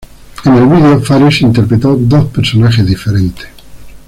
En el vídeo, Fares interpretó dos personajes diferentes.